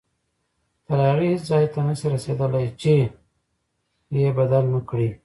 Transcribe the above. تر هغې هیڅ ځای ته نه شئ رسېدلی چې یې بدل نه کړئ.